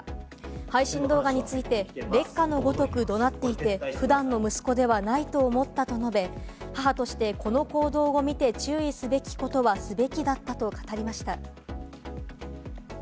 配信動画について、烈火のごとく怒鳴っていて、普段の息子ではないと思ったと述べ、母として子の行動を見て注意すべきことはすべきだったと語りました。